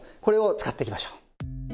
これを使っていきましょう。